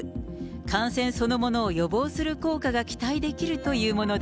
感染そのものを予防する効果が期待できるというものだ。